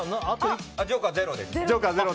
ジョーカーはゼロです。